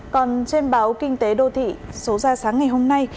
còn trên báo kinh tế đô thị số ra sáng ngày hôm nay